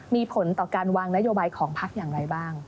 มีผลต่อการวางนโยบายของพักอย่างไรบ้าง